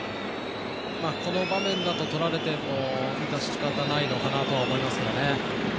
この場面だととられても致し方ないのかなと思いますよね。